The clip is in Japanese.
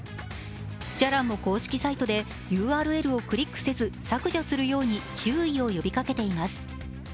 じゃらんも公式サイトで、ＵＲＬをクリックせず、削除するように注意を呼びかけています。